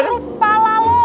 seru kepala lo